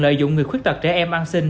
lợi dụng người khuyết tật trẻ em ăn xin